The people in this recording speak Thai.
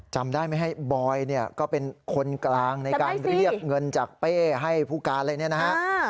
จำได้ไหมฮะบอยเนี่ยก็เป็นคนกลางในการเรียกเงินจากเป้ให้ผู้การอะไรเนี่ยนะฮะ